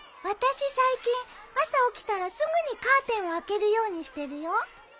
私最近朝起きたらすぐにカーテンを開けるようにしてるよ。